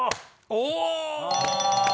お！